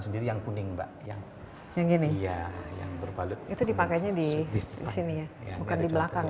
sendiri yang kuning mbak yang yang ini ya yang berbalut itu dipakainya di sini ya bukan di belakang